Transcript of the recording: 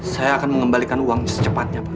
saya akan mengembalikan uang secepatnya pak